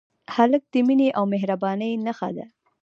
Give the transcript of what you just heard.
هلک د مینې او مهربانۍ نښه ده.